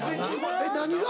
えっ何が？